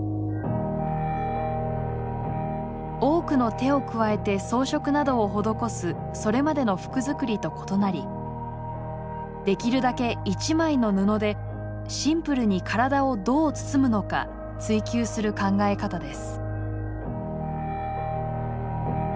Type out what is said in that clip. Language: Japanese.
多くの手を加えて装飾などを施すそれまでの服づくりと異なりできるだけ一枚の布でシンプルに体をどう包むのか追求する考え方です。